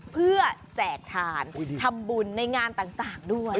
เพื่อแจกทานทำบุญในงานต่างด้วย